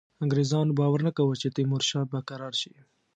انګرېزانو باور نه کاوه چې تیمورشاه به کرار شي.